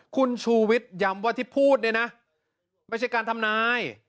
คุณชูวิทย้ำว่าที่พูดเนี่ยนะไม่ใช่การทำนาย